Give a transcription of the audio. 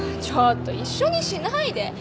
ちょっと一緒にしないで。